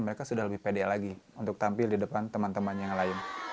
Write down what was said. mereka sudah lebih pede lagi untuk tampil di depan teman teman yang lain